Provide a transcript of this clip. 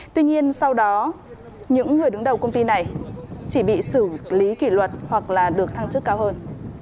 tuy nhiên sau đó những người đứng đầu công ty này chỉ bị xử lý kỷ luật hoặc là được thăng chức cao hơn